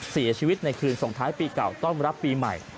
เสียชีวิตในคืนส่งท้ายปีเก่าต้อนรับปีใหม่